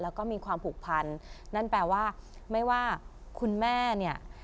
แล้วก็มีความผูกพันนั่นแปลว่าไม่ว่าคุณแม่เนี่ย